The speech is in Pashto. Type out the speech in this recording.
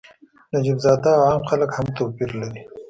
نجیب زاده او عام خلک هم توپیر لري.